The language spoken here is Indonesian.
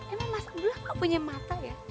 emang mas abdullah gak punya mata ya